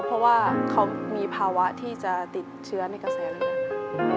เพราะว่าเขามีภาวะที่จะติดเชื้อในกระแสเลือดค่ะ